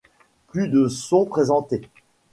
Plus de sont présentées.